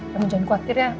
namun jangan khawatir ya